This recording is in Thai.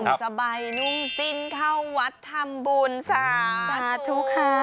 สบายนุ่งสิ้นเข้าวัดทำบุญสาธุค่ะ